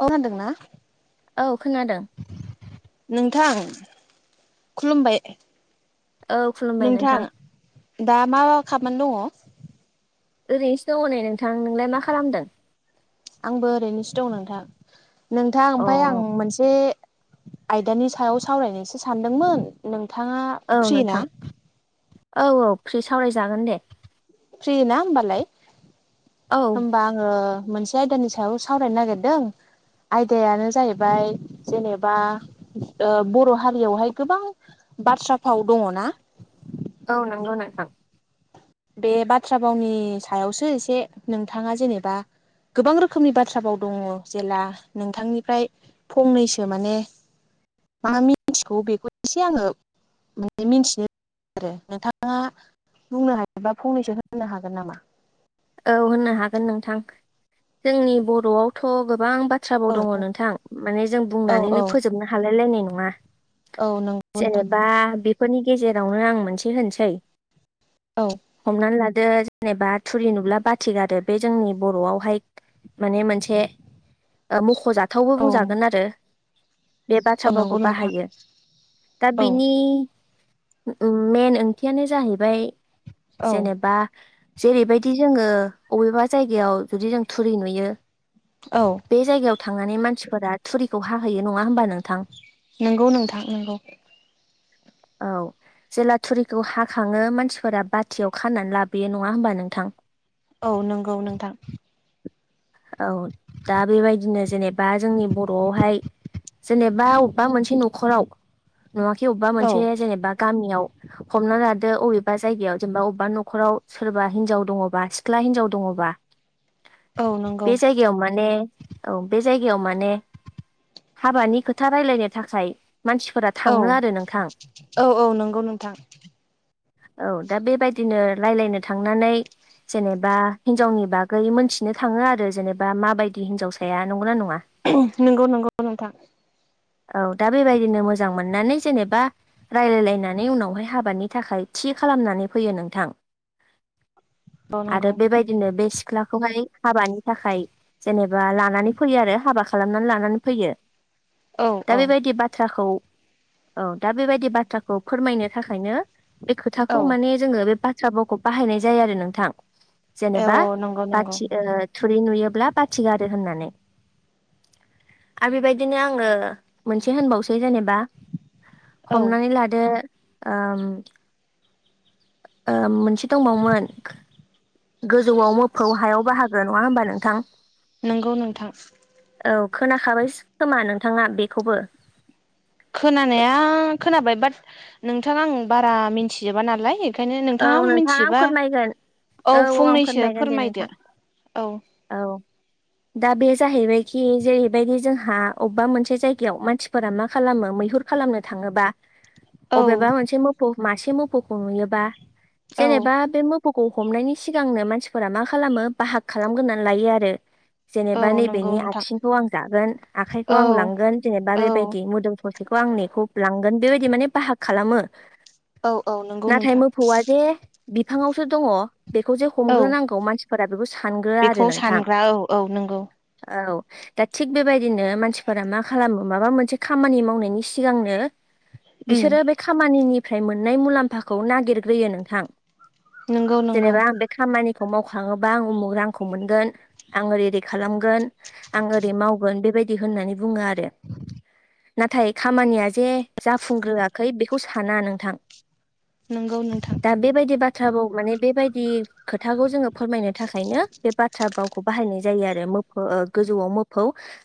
औ खोनादोंना औ खोनादों नोंथां खुलुमबाय औ खुलुमबाय नोंथां दा मा खामानि दङ ओरैनोसो दं हनै नोंथां नोंलाय मा खालामदों थां नोंथां अ ओमफ्राय आं मोनसे आयदानि सायाव सावरायनोसो सानदोंमोन नों औ नोंथां औ औ फ्रि सावरायजागोन दे फ्रि ना होमबालाय औ होमबा आङो मोनसे मोनसे आयदानि सायाव सावरायनो नागिरदों आयदायानो जाहैबाय जेनेबा बर' ओ हारियावहाय गोबां बाथ्रा फाव दङ ना? औ नांगौ नोंथां बे बाथ्रा बावनि सायावसो एसे नोंथाङा जेनेबा गोबां रोखोमनि बाथ्राबाव दङ जेला नोंथांनिफ्राय फंनैसो माने मा मिन्थिगौ बेखौ एसे आङो माने मिथिनो आरो नोंथाङा बुंनो हायोबा फंनैसो होननो हागोन नामा? औ होननो हागोन नोंथां। जोंनि बर'आवथ' गोबां बाथ्रा औ भाव दङ नोंथां माने जों औ बुंनानैनो फोजोबनो हालाय लायनाय नङा औ नंगौ नोंथां जेनेबा बेफोरनि गेजेरावनो आं मोनसे होननोसै औ हमनानै लादो जेनेबा थुरि नुब्ला बाथि गारो बे जोंनि बर'आवहाय माने मोनसे मख'जाथावबो औ बुंजागोन आरो बे बाथ्रा नंगौ बावखौ नोंथां बाहायो। दा औ बिनि उम मेन ओंथियानो जाहैबाय औ जेनेबा जेरैबाय जुदि जोङो अबेबा जायगायाव जुदि जों थुरि नुयो बे जायगायाव थांनानै मानसिफोरा थुरिखौ हाहैयो नङा होमबा नों नंगौ नोंथां नंगौ औ जेला थुरिखौ हाखाङो मानसिफोरा बाथियाव खानानै लाबोयो नङा होमबा नोंथां औ नंगौ नोंथां औ दा बेबायदिनो जेनेबा जोंनि बर'आवहाय जेनेबा अबेबा मोनसे न'खराव नङाखि अबेबा औ मोनसे जेनेबा गामियाव हमना लादो अबेबा जायगायाव जेनेबा अबेबा न'खराव सोरबा हिनजाव दङबा सिख्ला हिनजाव दङबा औ नंगौ बे जायगायाव माने औ बे जायगायाव माने हाबानि खोथा रायलायनो थाखाय मानसिफोरा औ थाङो आरो नोंथां। औ औ नंगौ नोंथां औ दा बेबायदिनो रायज्लायनो थांनानै जेनेबा हिनजावनि बागै मोनथिनो थाङो आरो जेनेबा माबायदि हिनजावसाया नंगौना नङा नंगौ नंगौ नोंथां औ दा बेबायदिनो मोजां मोननानै जेनेबा रायजलायलायनानै उनावहाय हाबानि थाखाय थि थि खालामनानै फैयो नोंथां। [inaudible] औ नंगौ आरो बेबायदिनो बे सिख्ला खौहाय हाबानि थाखाय जेनेबा लानानै फैयो आरो हाबा खालामनानै लानानै फैयो। औ दा औ बेबायदि बाथ्राखौ औ दा बेबायदि बाथ्राखौ फोरमायनो थाखायनो बे औ खोथाखौ माने जोङो बे बाथ्राावखौ बाहायनाय जायो आरो नोंथां। जेनेबा औ नंगौ नंगौ बाथि ओ थुरि नुयोब्ला बाथिगारो होननानै आरो बेबायदिनो आङो मोनसे होनबावसै जेनेबा औ हमनानै लादो ओम ओम मोनसे दंबावोमोन गोजौआव मोफौ हायाव बाहागो नङा होमबा नोंथां? नोंगौ नोंथां। औ खोनाखाबाय खोमा नोंथाङा बेखौबो खोनानाया खोनाबाय बाट नोंथां आं बारा मिथिजोबा नालाय ओंखायनो औ नोंथाङा नोंथां आं मिथिबा फोरमायगोन औ औ औ आं फंनैसो फोरमायगोन दे नोंथां फोरमायदो औ औ दा बे जाहैबायखि जेरैबायदि जोंहा अबेबा मोनसे जायगायाव मानसिफोरा मा खालामो मैहुर खालामनो थाङोबा औ अबेबा मोनसे मोफौ मासे मोफौखौ नुयोबा औ जेनेबा बे मोफौ गुुखौ हमनायनि सिगांनो मानसिफोरा मा खालामो बाहाग खालामगोरनानै लायो आरो औ जेनेबा नंगौ नैबेनि नोंथां आथिंखौ आं जागोन आखाइखौ औ आं लांगोन जेनेबा औ बेबायदि मोदोम ससेखौ आं गांनायखौ लांगोन बेबायदि माने बाहाग खालामो औ औ नंगौ नोंथां फौवा जे बिफांवसो दङ बेखौ जे औ हमग्रोनांगौ मानसि बेखौ सानग्रो आरो बेखौ नोंथां सानग्रा औ औ नंगौ औ दा थिग बेबायदिनो मानसिफोरा मा खालामो माबा मोनसे खामानि मावनायनि सिगांनो उम बिसोरो बे खामानिनिफ्राय मोननाय मुलाम्फाखौ नागिरग्रोयो नोंथां नंगौ नंगौ जेनेबा आं बे खामानि थ' मावखांङोबा आं उमुख रांखौ मोनगोन आं ओरै ओरै खालामगोन आं ओरै मावगोन बे बेबायदि होननानै बुङो आरो नाथाय खामानिया जे जाफुंग्रोआखै बेखौ साना नोंथां नोंगौ नोंथां थ्राबाव माने बेबायदि खोथाखौ जोङो फोरमायनो थाखायनो बे बाथ्रा भावखौ बाहायनाय जायो आरो मोफो गोजौआव मोफौ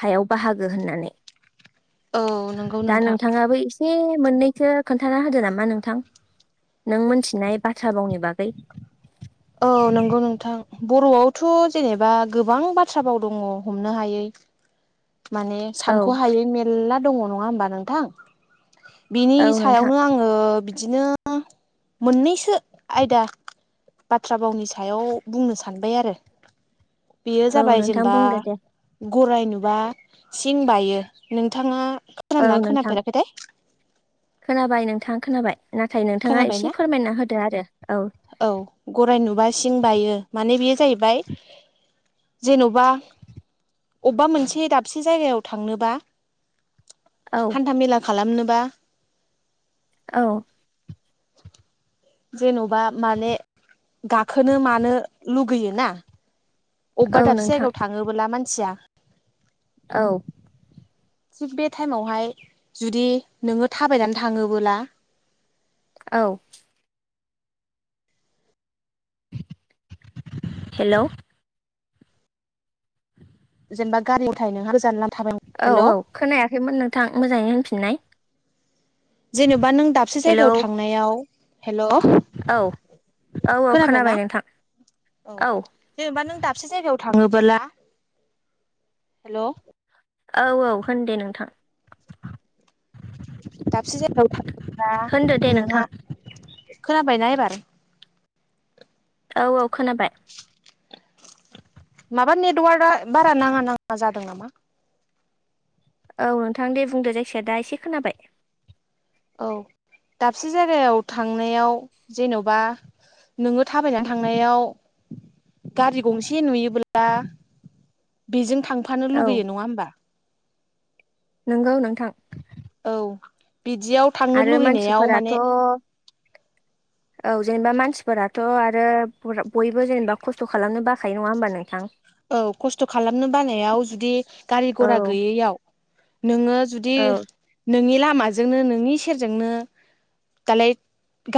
हायाव बाहागो होननानै औ नंगौ दा नोंथां नोंथाङाबो एसे मोननैखौ खोनथाना होदो नामा नोंथां नों मोनथिनाय बाथ्रा थाबावनि बागै औ नंगौ नोंथां बर'आवथ' जेनेबा गोबां बाथ्रा बाव दङ हमनो हायै माने औ सानख' हायै मेर्ला दङ नङा होमबा नोंथां बिनि औ नोंथां सायावनो आङो इदिनो मोननैसो आयदा बाथ्रा भावनि सायाव बुंनो सानबाय आरो बेयो औ जाबाय नोंथां जेनेबा बुंदो दे गरराय नुबा सिं बायो नोंथाङा औ खोनना नोंथां खोनाफेराखैथाय खोनाबाय नोंथाङा खोनाबाय नाथाय नोंथाङा खोनाबायना एसे फोरमायना होदो आरो औ औ गराय नुबा सिं बायो माने बेयो जाहैबाय जेन'बा अबेबा मोनसे दाबसे जायगायाव थांनोबा औ हान्थामेला खालामनोबा औ जेन'बा माने गाखोनो मानो लुगैयो ना अबबा औ दाबसे नोंथां जायगायाव थाङोबोला मानसिया औ थिग बे टाइमावहाय जुदि नोङो थाबायनानै थाङोबोला औ हेल' जेनबा गारियाव [unintelligible] गोजान लामा थाबाय औ हेल' औ खोनायाखैमोन नोंथां मोजाङै होनफिननाय जेनेबा नों दाबसे हेलौ जायगायाव थांनायाव हेल' औ औ औ खोनाबायना? खोनाबाय नोंथां औ जेनेबा नों दाबसे जायगायाव थाङोबोला हेल' औ औ होन दे नोंथां दाबसे जायगायाव थां होनदो दे [unintelligible] नोंहा नोंथां खोनाबायना एबार औ औ खोनाबाय [inaudible] [unintelligible] माबा नेटवार्कआ बारा नाङा नाङा जादों नामा औ नोंथां दे बुंदो जायखिजाया दा एसे खोनाबाय औ दाबसे जायगायाव थांनायाव जेन'बा नोङो थाबायना थांनायाव गारि गंसे नुयोब्ला बेजों थांफानो लुगैयो नङा होमबा नोंगौ नोंथां औ बिदियाव थांनो आरो लुुबैनायाव मानसिफोराथ' माने औ जेनेबा मानसिफोराथ' आरो बयबो जेनेबा खस्थ' खालामनो बाखायो नङा होमबा नोंथां औ खस्थ' खालामनो बानायाव जुदि गारि औ घरा गैयैयाव नोङो जुदि औ नोंनि लामाजोंनो नोंनि सेरजोंनो दालाय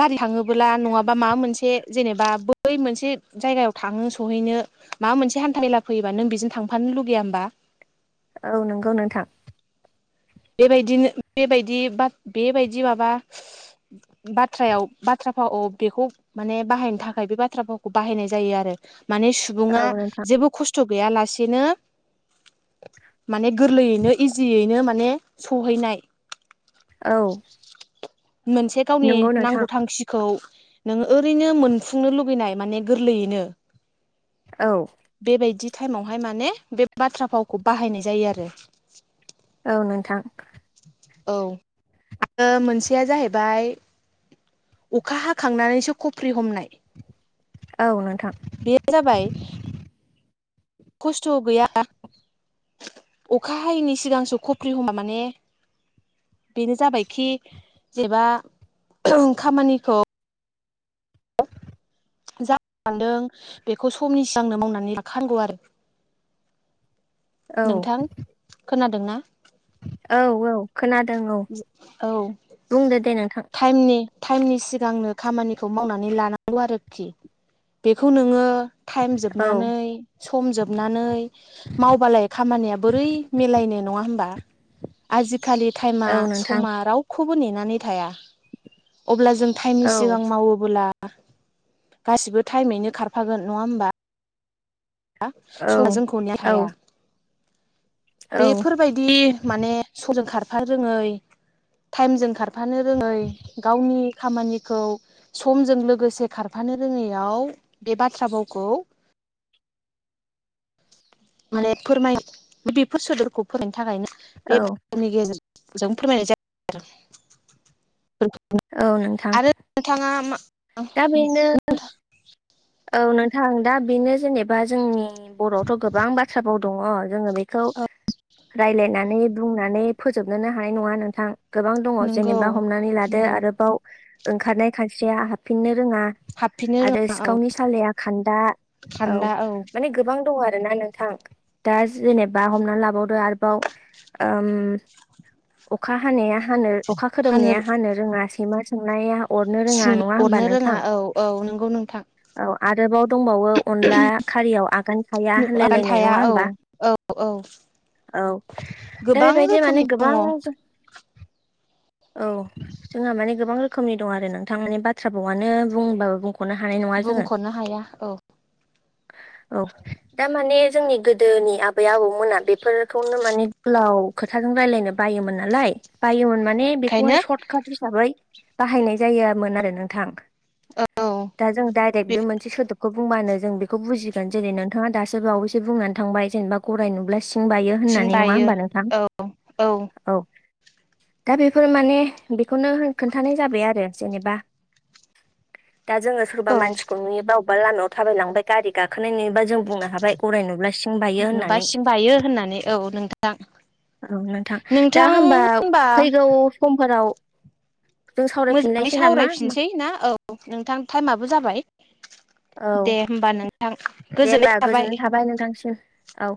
गारि थाङोबोला नङाबा माबा मोनसे जेनेबा बै मोनसे जायगायाव थाङो सहैनो माबा मोनसे हान्था मेला फैयोबा नों बेजों थांफानो लुगैया होमबा औ नंगौ नोंथां बेबायदिनो बेबायदि बेबायदि माबा बाथ्रायाव बाथ्रा बाथ्रा फाव बेखौ माने बाहायनो थाखाय बे बाथ्रा फावखौ बाहायनाय जायो आरो माने औ सुबुङा नोंथां जेबो खस्थ' गैयालासेनो माने गोरलैयैनो इजियैनो माने सौहैनाय औ मोनसे गावनि नंगौ नोंथां नांगौ थांखिखौ नोङ ओरैनो मोनफुंनो लुबैनाय माने गोरलैयैनो औ बेबायदि टाइमावहाय माने बे बाथ्रा फावखौ बाहायनाय जायो आरो औ नोंथां औ मोनसेया जाहैबाय अखा हाखांनानैसो खफ्रि हमनाय औ नोंथां बे जाबाय खस्थ' गैया अखा हायैनि सिगांसो खफ्रि हमा माने बेनो जाबायखि जेबा खामानिखौ सान्दों बेखौ समनि सिगांनो मावनानै लाखानांगौ आरो नोंथां खोनादोंना? औ-औ खोनादों औ औ बुंदो दे नोंथां टाइमनि टाइमनि सिगांनो खामानिखौ मावनानै लानांगौ आरोखि बेखौ नोङो टाइम औ जोबनानै समजोबनानै मावबालाय खामानिया बोरै मिलायनाय नङा होमबा आजिखालि टाइमा औ नोंथां समा रावखौबो नेनानै थाया अब्ला जों टाइमनि औ सिगां मावोबोला गासिबो टाइमैनो खारफागोन नंङा होमबा स जोंखौ ने औ हाया बेफोरबायदि माने समजों खारफ रोङै टाइमजों खारफानो थांफानो रोङै गावनि खामानिखौ समजों लोगोसे खारफानो रोङैयाव बे बाथ्रा भावखौ [inaudible] माने फोरमाय बेफोर सोदोबखौ फोरायनो थाखायनो औ बेनि गेजेरजों जों फोरमायनाय जाब औ नोंथां आरो नोंथाङा दा बेनो माथ औ नोंथां दा बेनो जेनेबा जोंनि बर'आवथ' गोबां बाथ्रााबाव दंङ जोङो बेखौ ओ राय्लायनानै बुंनानै फोजोबनोनो हानाय नङा नोंथां गोबां दङ नंगौ जेनेबा हमनानै लादो नंगौ आरोबाव ओंखारनाय खानस्रिया हाबफिननो रोङा हाबफिननो आरो रोङा सिखावनि औ सालाया खान्दा औ माने गोबां दं आरो आरोना नोंथां दा जेनेबा हमना लाबावदो आरोबाव अखा हानाया अखा खोरोमनाया हानो रोङा सैमा संनाया अरनो रोङा सुं नङा अरनो रोङा नोंथां औ औ नंगौ नोंथां औ आरोबाव दंबावो अनला खारियाव आगानखाया आगान होनलायलायनाय थाया नङा औ होमबा औ औ दा गोबां बेबायदि माने रोखोमनि गोबां दङ औ जोंहा माने गोबां रोखोमनि दं आरो नोंथां माने बाथ्रा बावनो बुंबाबो बुं नो हानाय ना जोङो बुंख'नो हाया औ औ दमाने जोंनि गोदोनि आबै आबौमोना बेफोरखौनो माने गोलाव खोथाजों राय्लायनो बायोमोन नालाय बायोमोन माने बेखायनो बेखौहाय सर्ट काट हिसाबै बाहायनाय जायामोन आरो नोंथां औ दा जों बे मोनसे सोदोबखौ बुंबानो जों बेखौ बुजिगोन जेरै नोंथाङा दासो बावैसो बुंनानै थांबाय जेनेबा गराय नुब्ला सिं बायो सिं होननानै नङा बायो होमबा नोंथां औ दा बेफोर माने बेखौनो खोन्थानाय जाबाय आरो जेनेबा दा जोङो सोरबा औ मानसिखौ नुयोबा अबा लामायाव थाबायलांबाय गारि गाखोनाय नुयोबा जों बुंनो हाबाय गराय नुब्ला सिं बायो नुबा होननानै सिं बायो होननानै औ नोंथां औ नोंथां दा होनबा फैगौ समफोराव जों मोजाङै सावरायफिनलायसै नामा सावरायफिनसै ना औ नोंथां टाइमाबो जाबाय औ दे होमबा नोंथां दे होमबा गोजोननाय थाबाय नोंथांसिम औ